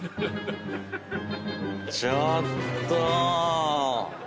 ちょっと！